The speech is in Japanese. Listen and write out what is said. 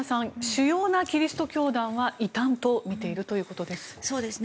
主要なキリスト教団は異端と見ているようです。